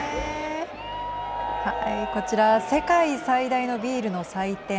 こちらは世界最大のビールの祭典